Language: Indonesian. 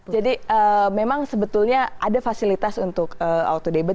jadi memang sebetulnya ada fasilitas untuk auto debit